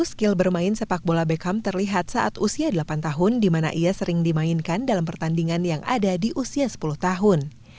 skill bermain sepak bola beckham terlihat saat usia delapan tahun di mana ia sering dimainkan dalam pertandingan yang ada di usia sepuluh tahun